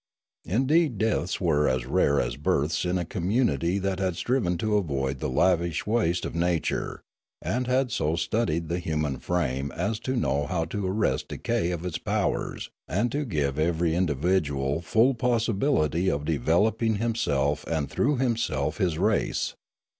Indeed deaths were as rare as births in a community that had striven to avoid the lavish waste of nature, and had so studied the human frame as to know how to arrest decay of its powers and to give every individual full possibility of developing himself and through himself his race.